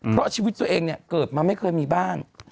เพราะชีวิตตัวเองเนี่ยเกิดมาไม่เคยมีบ้าน